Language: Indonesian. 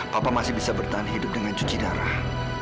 papa masih bisa bertahan hidup dengan cuci darah